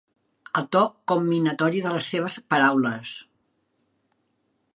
El to comminatori de les seves paraules.